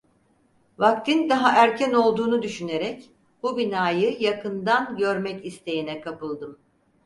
Vaktin daha erken olduğunu düşünerek bu binayı yakından görmek isteğine kapıldım.